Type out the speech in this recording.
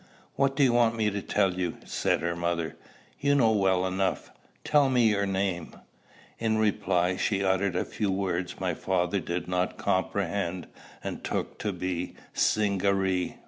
"What do you want me to tell you?" said her mother. "You know well enough. Tell me your name." In reply, she uttered a few words my father did not comprehend, and took to be Zingaree.